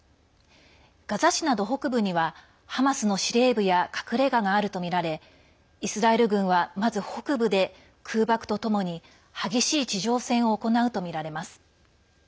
ガザ市など北部にはハマスの司令部や隠れががあるとみられイスラエル軍は、まず北部で空爆とともに激しい地上戦を行うとみられます。